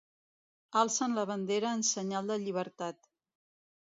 Alcen la bandera en senyal de llibertat.